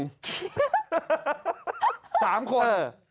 ๓คน